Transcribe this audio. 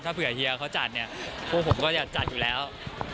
ถ้าเผื่อเฮียเขาจัดเนี่ยพวกผมก็อยากจัดอยู่แล้ว